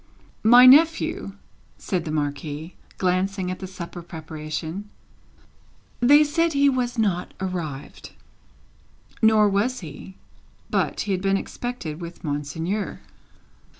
"My nephew," said the Marquis, glancing at the supper preparation; "they said he was not arrived." Nor was he; but, he had been expected with Monseigneur.